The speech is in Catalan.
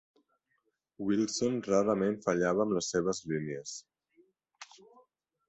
Wilson rarament fallava amb les seves línies.